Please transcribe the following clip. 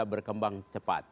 untuk membuat kembang cepat